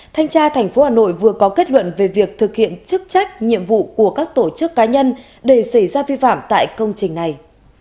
thanh tra tp hà nội vừa có kết luận về việc thực hiện chức trách nhiệm vụ của các tổ chức cá nhân để xảy ra vi phạm tại công trình này